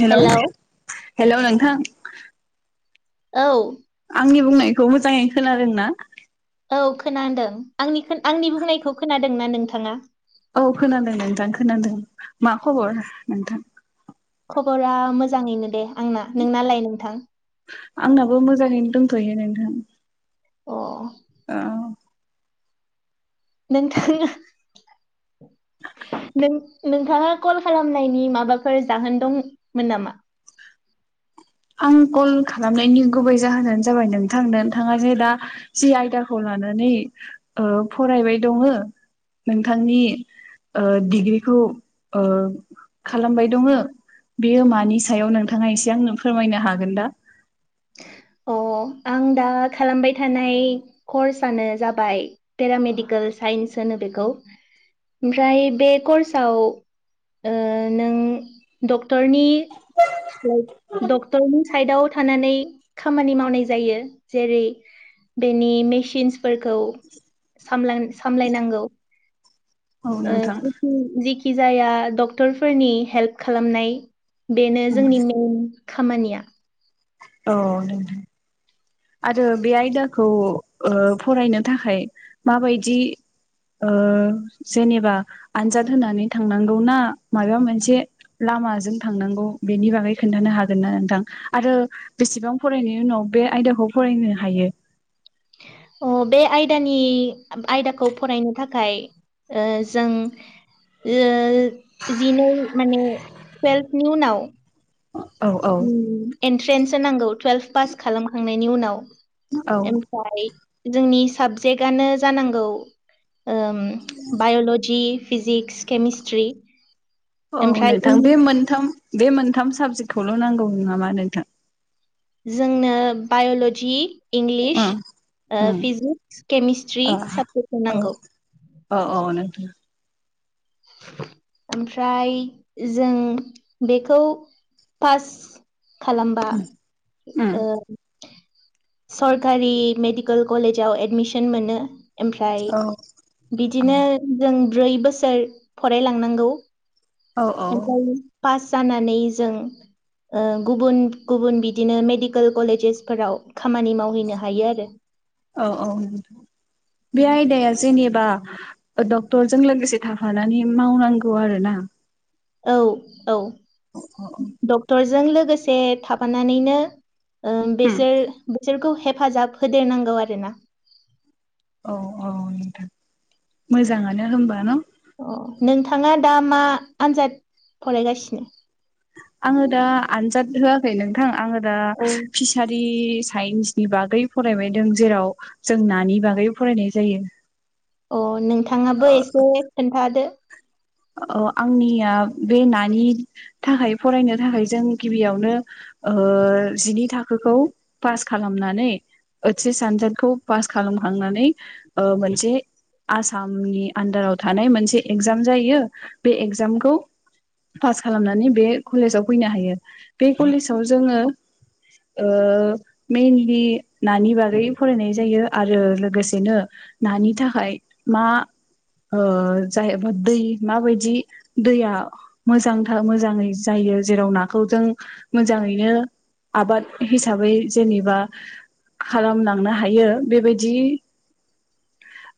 Hello hello नोंथां? औ। आंनि बुंनायखौ मोजाङै खोनादों ना? औ खोनादों आंनि आंनि बुंनायखौ खोनादों ना नोंथाङा? औ खोनादों नोंथां खोनादों मा खबर नोंथां? खबरा मोजाङैनो दे आंना नोंनालाय नोंथां? आंनाबो मोजाङैनो दंथ'यो नोंथां। अ अ। नोंथाङा नों नोंथाङा कल खालामनायनि माबाफोर जाहोन दंमोन नामा? आं कल खालामनायनि गुबै जाहोनानो जाबाय नोंथां नोंथाङा जे दा जि आयदाखौ लानानै ओ फरायबाय दङ नोंथांनि डिग्रिखौ ओ खालामबाय दङ बेयो मानि सायाव नोंथाङा एसे आंनो फोरमायनो हागोन दा? अ आं दा खालामबाय थानाय कर्सनो जाबाय पेरामेडिकेल साइन्स होनो बेखौ ओमफ्राय बे कर्सआव ओ नों डक्टरनि डक्टरनि साइडाव थानानै खामानि मावनाय जायो जेरै बेनि मेसिनसफोरखौ सामलायनांगौ। औ ओ नोंथां जिखि जिखि खि जाया डक्टरफोरनि हेल्प खालामनाय बेनो जोंनि मेन खामानिया। औ। आरो बे आयदाखौ फरायनो थाखाय माबायदि जेनेबा आनजाद होनानै थांनांगौ ना माबा मोनसे लामाजों थांनांगौ बेनि बागै खोन्थानो हागोन ना नोंथां आरो बेसेबां फरायनायनि उनाव बे आयदाखौ फरायनो हायो? अ बे आयदानि आयदाखौ फरायनो थाखाय जों जिनै माने टुवेल्भनि उनाव औ औ एन्ट्रेन्सस नांगौ टुवेल्भ पास खालामखांनाय नि उनाव। औ ओमफ्राय जोंनि साबजेक्टआनो जानांगौ बायल'जि, फिजिक्स, केमिस्ट्रि, औ ओमफ्राय नोंथां बे इंलिस मोनथाम बे मोनथाम साबजेक्टखौल' नांगौ न नामा नोंथां? जोंनो बायल'जि इंलिस, उम उम फिजिक्स, केमिस्ट्रि साबजेक्टखौ औ नांगौ। औ -औ नोंथां। ओमफ्राय जों बेखौ फार्स्ट खालामबा उम सरकारि मेडिकेल कलेजाव एडमिसन मोनो। ओमफ्राय औ औ बिदिनो जों ब्रै बसोर फरायलांनांगौ। औ ओमफ्राय फास जानानै जोंओ गुबुन गुबुन बिदिनो मेडिकेल कलेजेसफोराव खामानि मावहैनो हायो आरो औ- औ बे आयदाया जेनेबा डक्टरजों लोगोसे थाफानानै मावनांगौ आरो ना? औ - औ। अ- अ-अ जों लोगोसे थाफानानैनो अ बेसोर बिसोरखौ हेफाजाब होदेरनांगौ आरोना औ -औ नोंथां मोजाङानो होनबा न नोंथाङा दा मा आनजाद फरायगासिनो आङो दा आनजाद होआखै नोंथां आङो दा औ फिसारि साइन्सनि बागै फरायबायदों जेराव जों नानि बागै फरायनाय जायो अ नोंथां थाङाबो ओ एसे खोन्थादो आंनिया बे नानि थाखाय फरायनो थाखाय जों गिबियावनो जिनि थाखोखौ पास खालामनानै ओथसेस सानजादखौ पास खालामखांनानै मोनसे आसामनि आन्दाराव थानाय मोनसे एगजाम जायो बे एगजामखौ पास खालामनानै बे कलेजाव फैनो हायो बे कलेजाव जोङो मेनलि नानि बागै फरायनाय जायो आरो लोगोसेनो नानि थाखाय मा जाहैबाया दै माबायदि दैया मोजांथार मोजाङै जायो जेराव नाखौ जों मोजाङैनो आबाद हिसाबै जेनेबा खालामलांनो हायो बेबायदि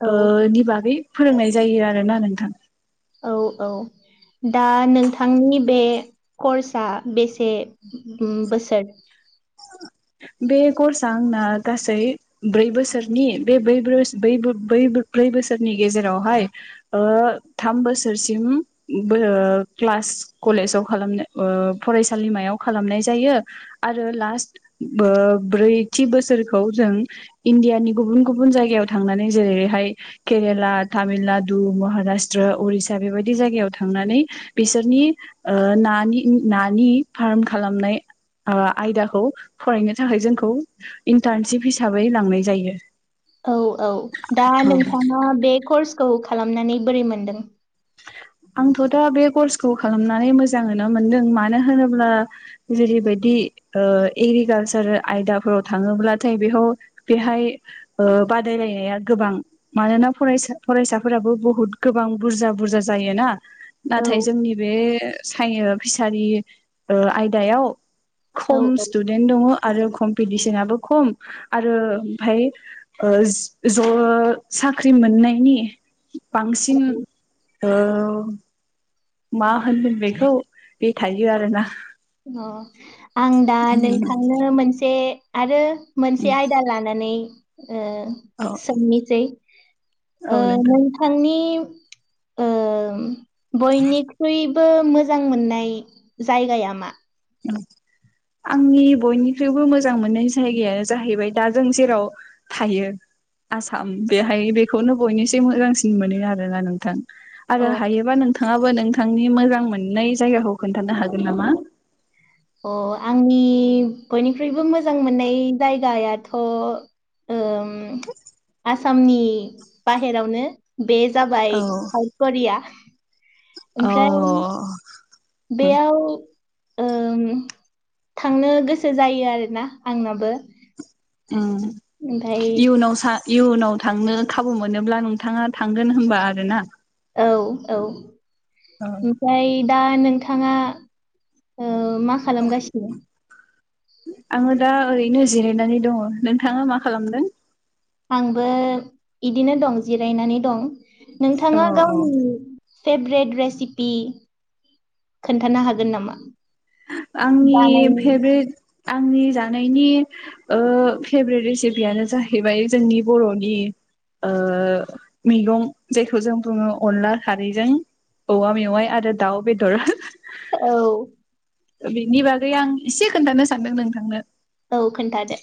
औ ओ नि बागै फोरोंनाय जायो आरोना नोंथां औ -औ दा नोंथांनि बे कर्सआ बेसे बोसोर बे कर्सआ आंना गासै ब्रै बोसोरनि बे बै बैै ब्रै बोसोरनि गेजेरावहाय थाम बोसोरसिम क्लास कलेजाव खालामनो फरायसालिमायाव खालामनाय जायो आरो लास्ट ब्रैथि बोसोरखौ जों इण्डियानि गुबुन गुबुन जायगायाव थांनानै जेरैहाय केरेला तामिलनाडु महाराष्ट्र उरिसा बेबायदि जायगायाव थांनानै बिसोरनि नानि नानि फार्म खालामनाय आयदाखौ फरायनो थाखाय जोंखौ इन्टार्नशिप हिसाबै लांनाय जायो औ औ दा नोंथाङा बे कर्सखौ खालामनानै बोरै मोनदों आं थ दा बे कर्स खालामनानै मोजांनो मोनदों मानो होनोब्ला जेरैबायदि एग्रिकालसार आयदाफोराव थाङोब्लाथाय बेयाव बेहाय बादायलायनाया गोबां मानोना फरायसाफोराबो बुहुत गोबां बुरजा बुरज जायोना औ नाथाय जोंनि बे सायो फिसारि आयदायाव औ खम औ स्टुदेन्ट दङ आरो खम कम्पिटिसनाबो खम आरो ओमफाय ज' साख्रि मोननायनि बांसिन औ औ मा होनदों बेखौ बे थायो आरोना अ आं दा नोंथांनो मोनसे आरो मोनसे आयदा लानानै ओ औ सोंनिसै औ आ नोंथां नोंथांनि औ बयनिक्रुइ बो मोजां मोननाय जायगाया मा आंनि बयनिख्रुइबो मोजां मोननाय जायगायानो जाहैबाय दा जों जेराव थायो आसाम बेहाय बेखौनो बयनिसु मोजांसिन मोनो आरोना नोंथां अ आरो हायोबा नोंथाङाबो नोंथांनि मोजां मोननाय जायगाखौ खोन्थानो हागोन नामा अ आंनि बयनिख्रुइबो मोजां मोननाय जायगायाथ' आसामनि बाहेरावनो बे जाबाय औ हाइ करिया अ ओमफ्राय बेयाव थांनो गोसो जायो आरोना आंनाबो ओमफाय इयुनाव सा इयुनाव थांनो खाबु मोनोब्ला नोंथाङा थांगोन होनबा आरोना औ औ ओमफ्राय दा नों नोंथाङा मा खालामगासिनो आङो दा ओरैनो जिरायनानै दङ नोंथाङा मा खालामदों। आंबो इदिनो दं जिरायनानै दं। नोंथाङा गावनि। फेभ्रेट रेसिपि खोन्थानो हागोन नामा। आंनि जानायनि फेभेट आंनि जा नि फेभ्रेट रेसिपियनो जाहैबाय जोंनि बर'नि मैगं जायखौ जों बुङो अनला खारैजों औवा मेवाइ आरो दाउ बेदर। औ। बेनि बागै आं एसे खोन्थानो सानदों नोंथांनो। औ। औ खोन्थादो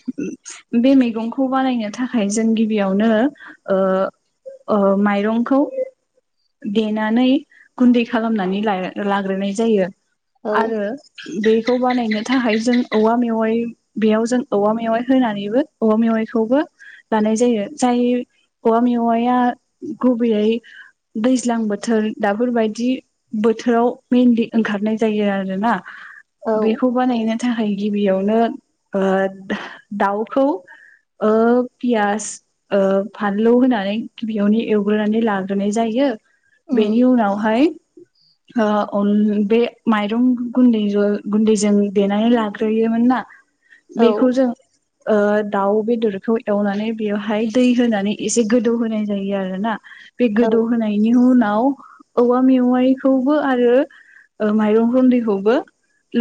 बे मैगंखौ बानायनो थाखाय जों गिबियावनो माइरंखौ देनानै गुन्दै खालामनानै लाग्रोनाय जायो। औ आरो। बेखौ बानायनो थाखाय जों औवा मेवाइ बेयाव जों औवा मेवाइ होनानैबो औवा मेवाइखौबो लानाय जायो जाय औवा मेवाया गुबैयै दैज्लां बोथोर दाफोरबायायदि बोथोराव मनलि ओंखारनाय जायो आरोना। औ बेखौ बानायगोन। थाखाय गिबियावनो दाउखौ पियास फानलौ होनानै गिबियावनो एवग्रोनानै लाग्रोनाय जायो। उम बेनि उनावहाय। अ बे माइरं। गुन्दै ज गुन्दैजों देनानै लाग्रोयोमोन ना। औ बेखौ जों। दाउ बेदरखौ एवनानै बेवहाय दै होनानै एसे गोदौ होनाय जायो आरो ना। बे औ गोदौहोनायनि उनाव। आव औवा मेवायखौबो आरो ओ माइरं गुन्दैखौ बो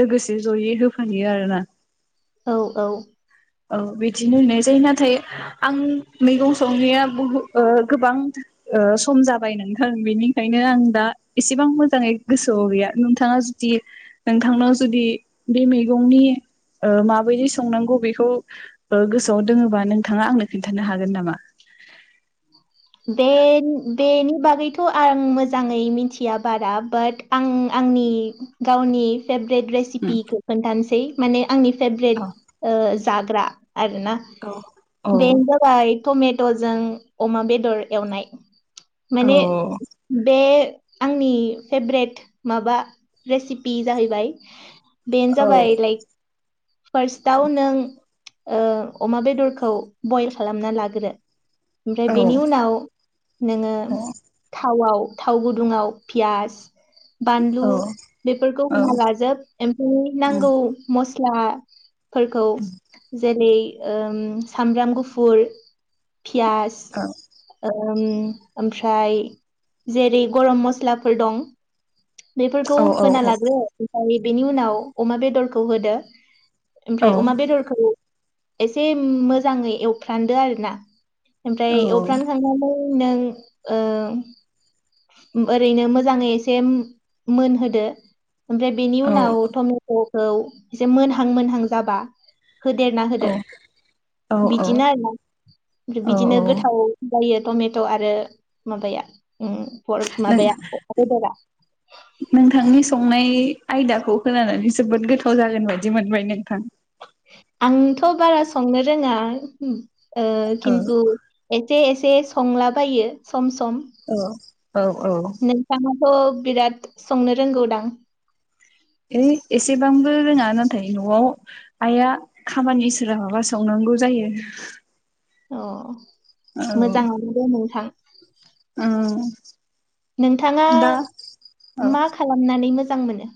लोगोसे जयै होफायो आरोना। औ औ। औ बिदिनो होनाय जायो नाथाय आं मैगं संनाया बुहु ओ गोबां ओ सम जाबाय नोंथां बेनिखायनो आं दा एसेबां मोजाङै गोसोआव गैया नोंथाङा जुदि नोंथांनाव जुदि बे मैगंनि ओ माबायदि संनांगौ बे खौ ओ गोसोआव दोङोबा नोंथाङा आंनो खिन्थानो हागोन नामा। बे बेनि बागैथ आं मोजाङै मिथिया बारा बाट आं आंनि गावनि फेभरेट उम रेसिपिखौ खोन्थानोसै। माने आंनि फेभरेट औ ओ जाग्रा आरोना औ बेेनो जाबाय टमेटजों अमा बेदर एवनाय। औ माने बे आंनि फेभरेट माबा रेसिपि जाहैबाय। बेेनो औ जाबाय लाइक फार्स्टआव नों ओ अमा बेदरखौ बइल खालामना लाग्रो ओमफ्राय उम औ बेनि उनाव नोङो थावाव थाव गुदुङाव पियास बानलु औ बेफोरखौ औ होना लाजोब इमफाय नांगौ मस स्ला फोरखौ जेलै ओम सामब्राम गुफुर पिया ओम ओमफ्राय जेरै गरम मस्लाफोर दं बेफोरखौ होना लाग्रो ओमफाय बेनि उनाव अमा बेदरखौ होदो औ ओमफ्राय अमा बेदरखौ एसे मोजाङै एवफ्रान्दो आरो ना ओमफ्राय एवफ्रानखांनानै नों ओ ओरैनो मोजाङै एसे मोनहोदो ओमफ्राय बेनि औ उनाव टमेट खौ एसे मोनहां मोनहां जाबा होदेरना होदो औ बिदिनो आरोना ओमफ्राय औ औ बिदिनो गोथाव जायो टमेट' आरो माबाया उम फर्क नों माबाया अमाबेदरा नोंथांनि संनाय आयदाखौ खोनानै जोबोद गोथाव जागोन बाददि मोनबाय नोंथां। आंथ' बारा संनो रोङा। ओ औ खिन्थु एस से एसे संलाबायो सम सम औ औ थ' बिराद संनो रोंगौदां? हैइ एसेबांबो रोङा नाथाय न'आव आइआ खामानि सोलाबाबा सावनांगौ जायो। अ औ मोजाङानो दं नोंथां। उम नोंथाङा दा औ मा खालामनानै मोज जां मोनो?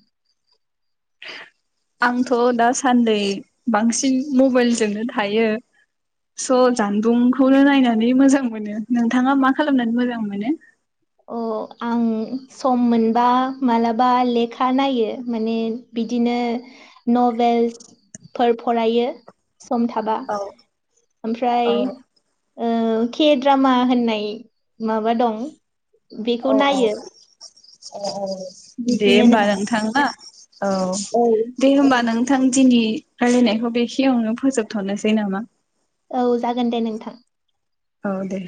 आंथ' दासान्दै बांसिन मबाइलजोंनो थायो स' जानबुंखौनो नायनानै मोजां मोनो। नोंथाङा मा खालामनानै मोजां मोनो? थ आं सम मोनबा मालाबा लेखा नायो माने बिदिनो नभेल्सफोर फरायो सम थाबा। औ ओमफ्राय औ ओ के द्रामा होन्नाय माबा दं बेखौ औ नायो। औ औ। दे बिदिनो होमबा नों। नोंथां ना। औ औ दै होमबा नों थां दिनि रायलायनायखौ बेखियावनो फोजोबथ'नोसै नामा? औ जागोन दे नोंथां। औ दे।